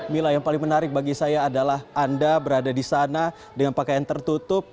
mila yang paling menarik bagi saya adalah anda berada di sana dengan pakaian tertutup